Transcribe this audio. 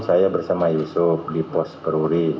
saya bersama yusuf di pos peruri